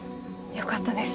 よかったです。